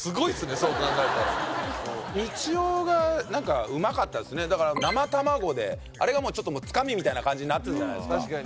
そう考えたらみちおがうまかったですねだから生卵であれがもうちょっとつかみみたいな感じになってたじゃないですか